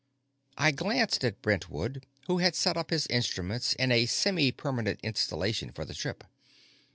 I glanced at Brentwood, who had set up his instruments in a semipermanent installation for the trip.